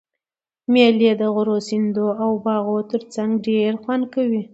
مېلې د غرو، سیندو او باغو ترڅنګ ډېر خوند کوي.